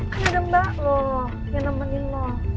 kan ada mbak lo yang nemenin lo